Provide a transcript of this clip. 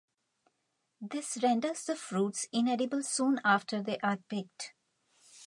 This renders the fruits inedible soon after they are picked.